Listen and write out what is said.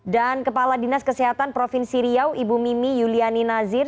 dan kepala dinas kesehatan provinsi riau ibu mimi yuliani nazir